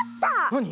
なに？